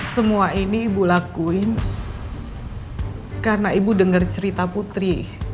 semua ini ibu lakuin karena ibu dengar cerita putri